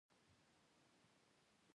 کله چې افغانستان کې ولسواکي وي بیرغ رپیږي.